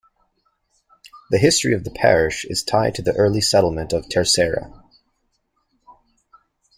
The history of the parish is tied to the early settlement of Terceira.